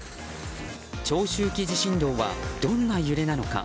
長周期地震動はどんな揺れなのか。